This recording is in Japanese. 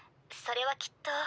それはきっと。